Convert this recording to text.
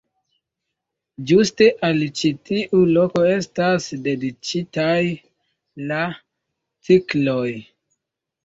Ĝuste al ĉi tiu loko estas dediĉitaj la cikloj.